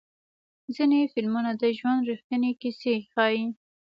ځینې فلمونه د ژوند ریښتینې کیسې ښیي.